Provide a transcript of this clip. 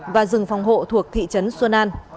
và rừng phòng hộ thuộc thị trấn xuân an